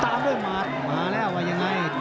ตามด้วยหมัดมาแล้วว่ายังไง